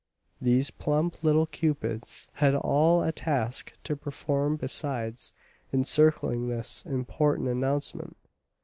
These plump little Cupids had all a task to perform besides encircling this important announcement.